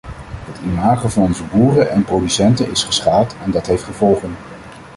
Het imago van onze boeren en producenten is geschaad, en dat heeft gevolgen.